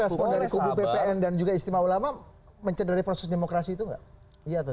tapi respon dari kubu ppn dan juga istimewa ulama mencederai proses demokrasi itu enggak